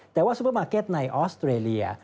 แต่ว่าซูเปอร์มาร์เก็ตในออสเตรเลีย